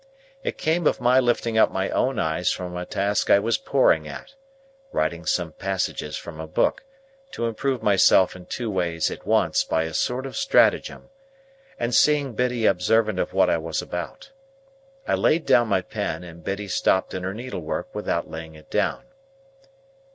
It came of my lifting up my own eyes from a task I was poring at—writing some passages from a book, to improve myself in two ways at once by a sort of stratagem—and seeing Biddy observant of what I was about. I laid down my pen, and Biddy stopped in her needlework without laying it down.